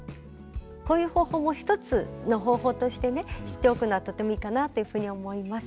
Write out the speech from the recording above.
こういう方法も一つの方法としてね知っておくのはとてもいいかなというふうに思います。